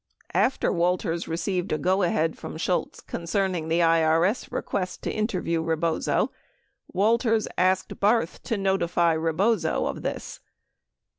5 After Walters received a go ahead from Shultz concerning the IRS request to interview Rebozo. Walters asked Barth to notify Rebozo of this.